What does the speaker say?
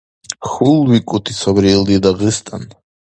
ХьулбикӀути сабри илди, Дагъистан!